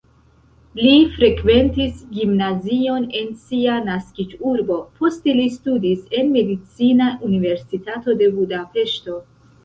Li frekventis gimnazion en sia naskiĝurbo, poste li studis en Medicina Universitato de Budapeŝto.